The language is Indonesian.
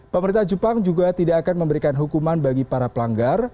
pemerintah jepang juga tidak akan memberikan hukuman bagi para pelanggar